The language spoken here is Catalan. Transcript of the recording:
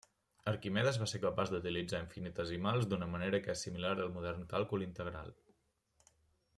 Arquimedes va ser capaç d'utilitzar infinitesimals d'una manera que és similar al modern càlcul integral.